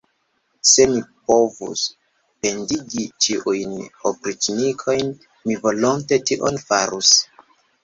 Se mi povus pendigi ĉiujn opriĉnikojn, mi volonte tion farus!